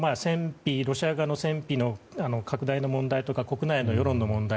ロシア側の戦費の拡大の問題とか国内の世論の問題。